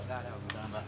gak ada apa apa